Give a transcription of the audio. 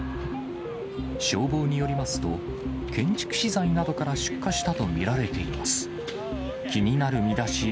消防によりますと、建築資材などから出火したと見られています。